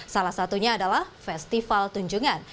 salah satunya adalah festival tunjungan